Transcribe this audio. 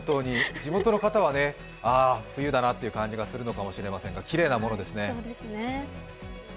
地元の方は、ああ冬だなという感じがするのかもしれませんがきれいなものですね。